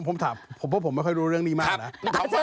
ผมถามผมว่าผมไม่ค่อยรู้เรื่องนี้มากนะ